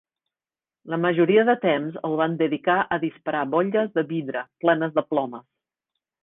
La majoria de temps el van dedicar a disparar bolles de vidre plenes de plomes.